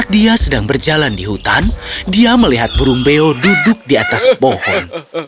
dia melihat burung beo duduk di atas pohon